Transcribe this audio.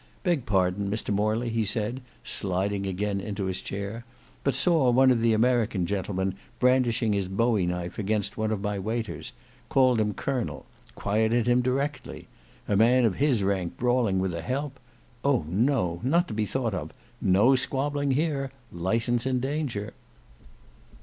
"Beg pardon, Mr Morley," he said, sliding again into his chair; "but saw one of the American gentlemen brandishing his bowie knife against one of my waiters; called him Colonel; quieted him directly; a man of his rank brawling with a help; oh! no; not to be thought of; no squabbling here; licence in danger."